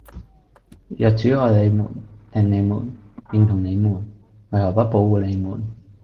若主愛你們，聽你們，認同你們，為何不保護你們？